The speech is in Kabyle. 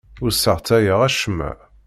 Ur sseɣtayeɣ acemma.